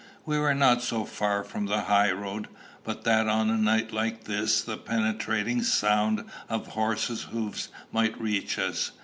We were not so far from the high road, but that on a night like this the penetrating sound of a horse's hoofs might reach us.